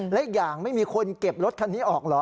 และอีกอย่างไม่มีคนเก็บรถคันนี้ออกเหรอ